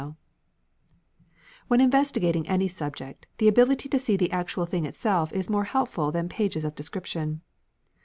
Thirteenth century] When investigating any subject, the ability to see the actual thing itself is more helpful than pages of description.